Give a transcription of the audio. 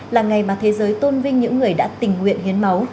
là ngày mà thế giới tôn vinh những người đã tình nguyện hiến máu